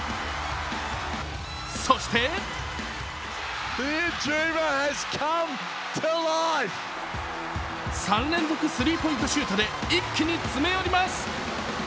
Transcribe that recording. そして３連続スリーポイントシュートで一気に詰め寄ります。